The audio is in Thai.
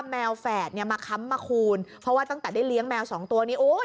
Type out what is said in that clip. แมวแฝดมาคับมาคูณเพราะตั้งแต่ได้เลี้ยงแมวสองตัวนี้